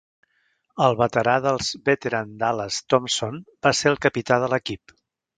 El veterà dels Veteran Dallas Thompson va ser el capità de l"equip.